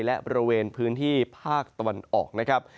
และบริเวณพื้นที่ภาคตะวันออกนะครับ